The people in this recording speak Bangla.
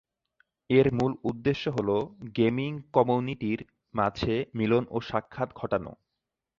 এর মূল উদ্দেশ্য হল, গেমিং কমিউনিটির মাঝে মিলন ও সাক্ষাৎ ঘটানো।